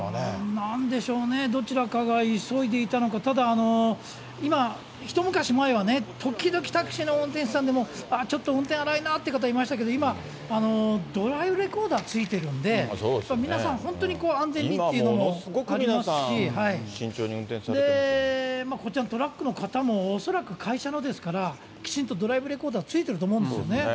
なんでしょうね、どちらかが急いでいたのか、ただ、今、一昔前はね、時々タクシーの運転手さんでも、ちょっと運転荒いなという方いらっしゃいましたけど、今、ドライブレコーダーついてるんで、皆さん、本当に安全にっていうのもあすごく皆さん、慎重に運転さこちらのトラックの方も恐らく会社のですから、きちんとドライブレコーダー、ついてると思うんですよね。